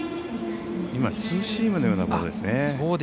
ツーシームのようなボールですね。